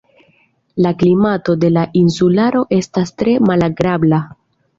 La klimato de la insularo estas tre malagrabla.